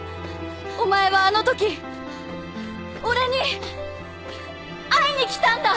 お前はあの時俺に会いに来たんだ！